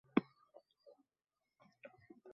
আমি তো ছোটখাট কারণে মানুষকে বিষও দিতে দেখেছি।